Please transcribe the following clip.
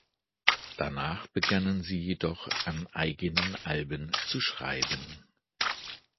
Danach begannen sie jedoch an eigenen Alben zu schreiben.